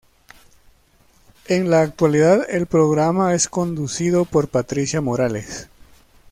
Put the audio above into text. En la actualidad el programa es conducido por Patricia Morales.